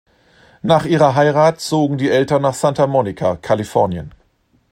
Nach ihrer Heirat zogen die Eltern nach Santa Monica, Kalifornien.